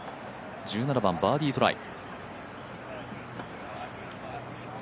１７番、バーディートライ。